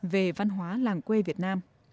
về văn hóa làng quê việt nam